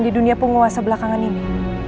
di dunia penguasa belakangan ini